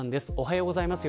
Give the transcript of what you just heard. おはようございます。